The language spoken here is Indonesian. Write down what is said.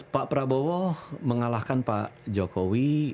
pak prabowo mengalahkan pak jokowi